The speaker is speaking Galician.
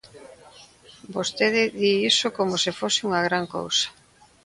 Vostede di iso como se fose unha gran cousa.